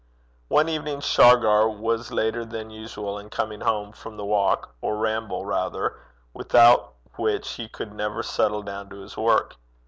One evening Shargar was later than usual in coming home from the walk, or ramble rather, without which he never could settle down to his work.